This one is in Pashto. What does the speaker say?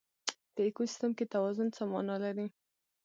په ایکوسیستم کې توازن څه مانا لري؟